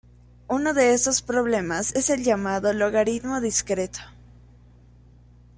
Uno de estos problemas es el llamado logaritmo discreto.